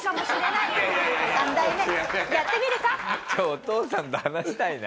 お父さんと話したいな。